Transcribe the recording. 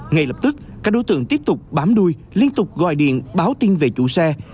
ngay lập tức các đối tượng tiếp tục bám đuôi liên tục gọi điện báo tin về chủ xe